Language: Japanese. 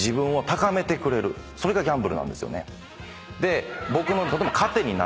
それがギャンブルなんですよね。